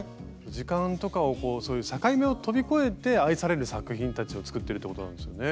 時間とかをこうそういう境目を飛び越えて愛される作品たちを作ってるということなんですよね。